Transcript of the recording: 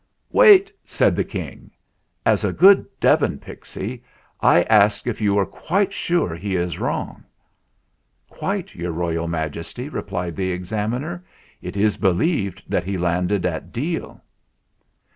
"Wait !" said the King. "As a good Devon pixy, I ask if you are quite sure he is wrong ?" "Quite, Your Royal Highness," replied the Examiner. "It is believed that he landed at Deal."